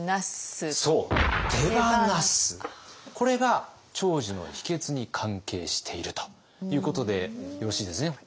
これが長寿の秘けつに関係しているということでよろしいですね。